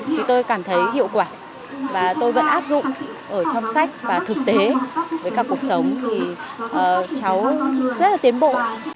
thì tôi cảm thấy hiệu quả và tôi vẫn áp dụng ở trong sách và thực tế với cả cuộc sống thì cháu rất là tiến bộ